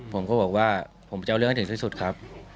ผมก็บอกว่าผมจะเอาเรื่องให้ถึงที่สุดครับ